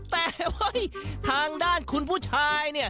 แต่ทางด้านคุณผู้ชาย